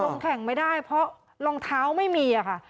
แข่งไม่ได้เพราะรองเท้าไม่มีอะค่ะ